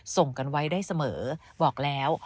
ส่งกันไว้ได้เสมอบอกแล้ว